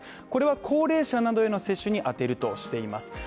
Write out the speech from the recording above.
これは高齢者などへの接種に充てるとしています